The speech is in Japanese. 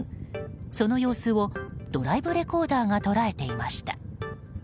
その様子をドライブレコーダーが捉えていました。